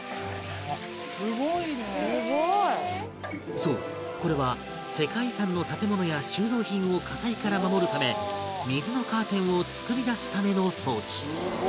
そうこれは世界遺産の建物や収蔵品を火災から守るため水のカーテンを作り出すための装置